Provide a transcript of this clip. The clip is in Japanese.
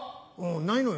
ないのよ。